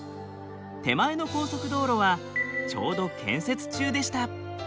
手前の高速道路はちょうど建設中でした。